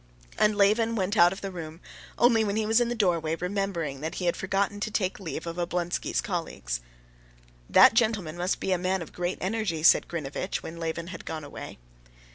And Levin went out of the room, only when he was in the doorway remembering that he had forgotten to take leave of Oblonsky's colleagues. "That gentleman must be a man of great energy," said Grinevitch, when Levin had gone away.